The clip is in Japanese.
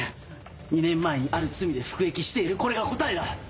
２年前にある罪で服役しているこれが答えだ！